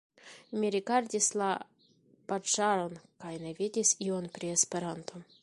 Mi rigardis la paĝaron kaj ne vidis ion pri Esperanto.